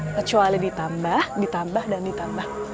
kecuali ditambah dan ditambah